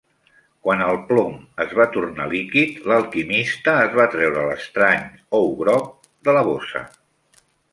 Quan el plom es va tornar líquid, l'alquimista es va treure l'estrany ou groc de la bossa.